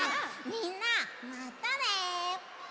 みんなまたね！